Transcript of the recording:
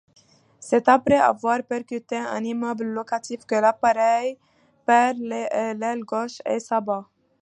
C'est après avoir percuté un immeuble locatif que l'appareil perd l'aile gauche et s'abat.